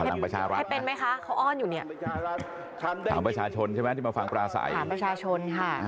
พลังประชารัฐให้เป็นไหมคะเขาอ้อนอยู่เนี่ยถามประชาชนใช่ไหมที่มาฟังปราศัยถามประชาชนค่ะ